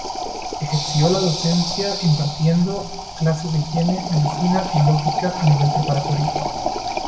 Ejerció la docencia impartiendo clases de higiene, medicina y lógica a nivel preparatoria.